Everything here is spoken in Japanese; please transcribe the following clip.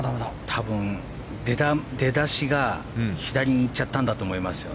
多分、出だしが左に行っちゃったんだと思いますよ。